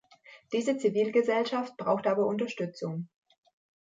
Diese Zivilgesellschaft braucht aber Unterstützung.